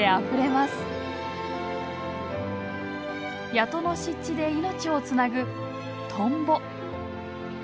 谷戸の湿地で命をつなぐトンボ。